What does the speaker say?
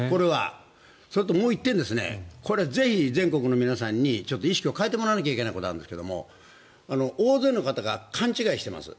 それともう１点これはぜひ全国の皆さんに意識を変えていただきたいことがあるんですが大勢の方が勘違いしています。